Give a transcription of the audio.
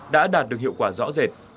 đã đạt được hiệu quả rõ rệt